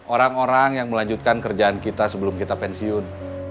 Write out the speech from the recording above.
orang orang yang melanjutkan kerjaan kita sebelum kita pensiun